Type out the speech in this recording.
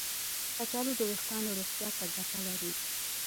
کچالو د ویښتانو روغتیا ته ګټه لري.